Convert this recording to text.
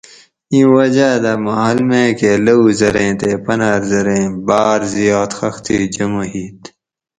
ایں وجہ دہ محل میکہ لوؤ زریں تے پنر زریں باۤر زیات خختی جمع ہِیت